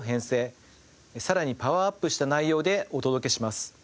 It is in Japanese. さらにパワーアップした内容でお届けします。